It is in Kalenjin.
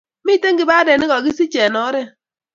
Miten kipandet nekakisij en oret